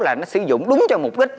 là nó sử dụng đúng cho mục đích